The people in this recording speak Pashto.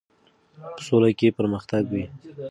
په سوله کې پرمختګ وي.